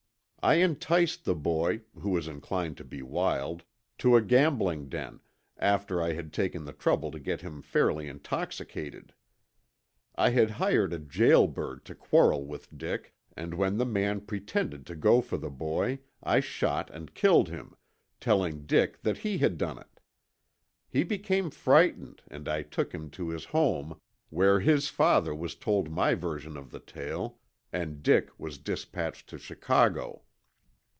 "I enticed the boy, who was inclined to be wild, to a gambling den, after I had taken the trouble to get him fairly intoxicated. I had hired a jail bird to quarrel with Dick and when the man pretended to go for the boy, I shot and killed him, telling Dick that he had done it. He became frightened and I took him to his home, where his father was told my version of the tale, and Dick was dispatched to Chicago.